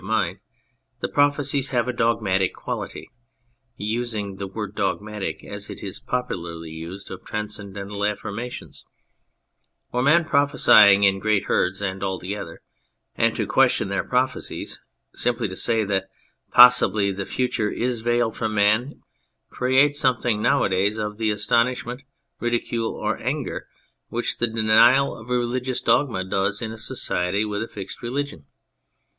of mind, the prophecies have a dogmatic quality (using the word " dogmatic " as it is popularly used of transcendental affirmations), for men prophesy in great herds and all together, and to question their prophecies, simply to say that possibly "the future is veiled' from man," creates something now a days of the astonishment, ridicule, or anger which the denial of a religious dogma does in a society with a fixed religion.